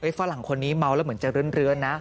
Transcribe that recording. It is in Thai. ฝรั่งคนนี้เมาแล้วเหมือนจะเลือนนะ